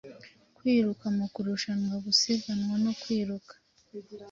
Kwiruka mukurushanwagusiganwa no kwiruka